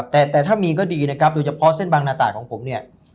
แต่แต่ถ้ามีก็ดีนะครับโดยเฉพาะเส้นบางนาตากของผมเนี่ย